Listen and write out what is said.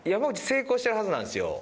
成功してるはずなんすよ